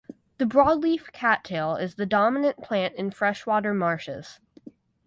The broadleaf cattail is the dominant plant in freshwater marshes.